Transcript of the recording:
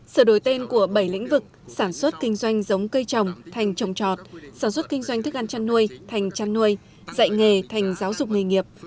sửa đổi tên của bảy lĩnh vực sản xuất kinh doanh giống cây trồng thành trồng trọt sản xuất kinh doanh thức ăn chăn nuôi thành chăn nuôi dạy nghề thành giáo dục nghề nghiệp